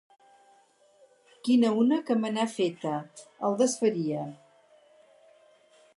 Quina una que me n'ha feta!: el desfaria!